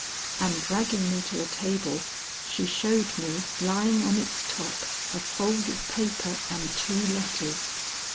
And dragging me to a table, she showed me lying on its top a folded paper and two letters.